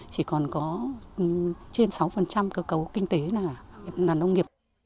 chỉ còn có trên sáu cơ cấu kinh tế là nông nghiệp